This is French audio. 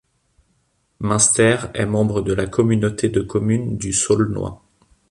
Munster est membre de la communauté de communes du Saulnois.